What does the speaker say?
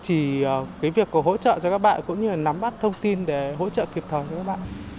chỉ cái việc hỗ trợ cho các bạn cũng như là nắm bắt thông tin để hỗ trợ kịp thời cho các bạn